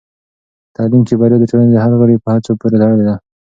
په تعلیم کې بریا د ټولنې د هر غړي په هڅو پورې تړلې ده.